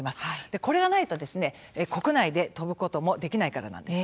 これがないと国内で飛ぶこともできないからなんです。